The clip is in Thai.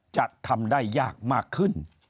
จะทำได้ยากมากขึ้น